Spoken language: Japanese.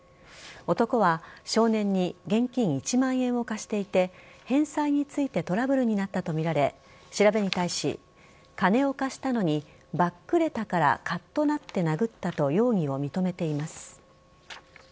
男は少年に現金１万円を貸していて返済についてトラブルになったとみられ調べに対し金を貸したのにばっくれたからかっとなって殴ったと容疑を認めています。